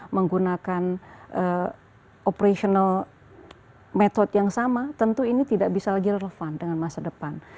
menggunakan operational medhot yang sama tentu ini tidak bisa lagi relevan dengan masa depan